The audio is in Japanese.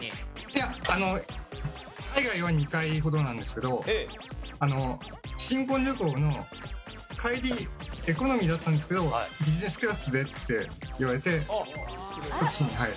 いや海外は２回ほどなんですけど新婚旅行の帰りエコノミーだったんですけどビジネスクラスでって言われてそっちにはい。